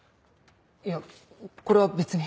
いやこれは別に。